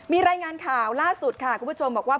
มีรายงานข่าวล่าสุดค่ะคุณผู้ชมบอกว่า